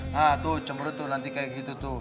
nah tuh cemberut tuh nanti kayak gitu tuh